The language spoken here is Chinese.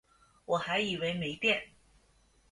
我还以为没电